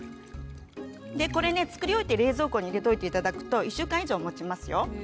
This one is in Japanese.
作り置いて冷蔵庫に入れておいていただくと１週間以上もちますよ。